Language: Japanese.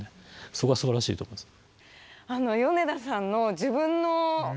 そこはすばらしいと思います。